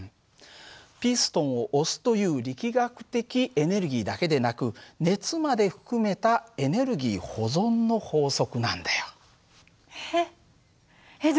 ピストンを押すという力学的エネルギーだけでなく熱まで含めたエネルギー保存の法則なんだよ。えっ？